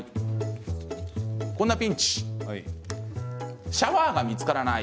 こんなピンチシャワーが見つからない。